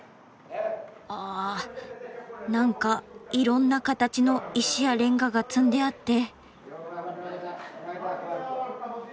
あなんかいろんな形の石やレンガが積んであって。